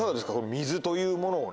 水というものをね